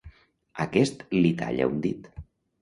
Aquest li talla un dit.